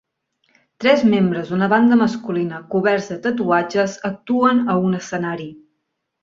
Tres membres d'una banda masculina coberts de tatuatges actuen a un escenari